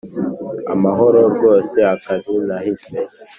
amahoro rwose, akazi nahise